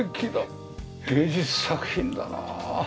芸術作品だなあ。